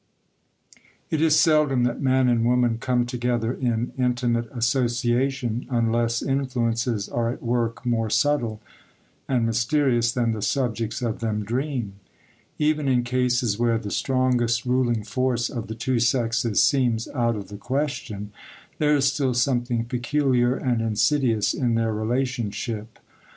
IT is seldom that man and woman come together in intimate association, unless influences are at work more subtle and mysterious than the subjects of them dream. Even in cases where the strongest ruling force of the two sexes seems out of the question, there is still something peculiar and insidious in their relationship.